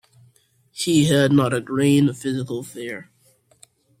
He had not a grain of physical fear.